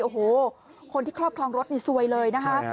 โอ้โหคนที่ครอบครองรถนี่ซวยเลยนะคะ